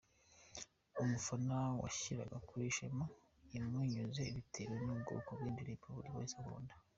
Umufana yashyiraga kuri shene imunyuze bitewe n’ubwoko bw’indirimbo buri wese akunda.